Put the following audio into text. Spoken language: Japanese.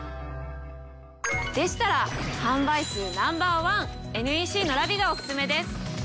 でしたら販売数Ｎｏ．１ＮＥＣのＬＡＶＩＥがお薦めです！